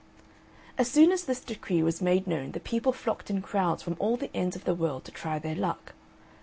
As soon as this decree was made known the people flocked in crowds from all the ends of the world to try their luck.